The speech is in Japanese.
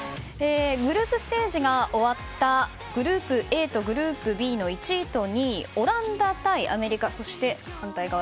グループステージが終わったグループＡとグループＢの１位と２位、オランダ対アメリカそして反対側